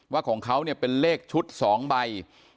ว่าของเขาเนี่ยเป็นเลขชุด๒ใบ